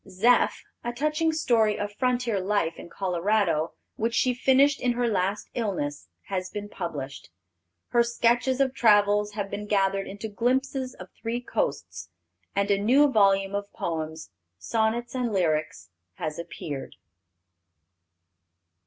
Zeph, a touching story of frontier life in Colorado, which she finished in her last illness, has been published. Her sketches of travel have been gathered into Glimpses of Three Coasts, and a new volume of poems, Sonnets and Lyrics, has appeared.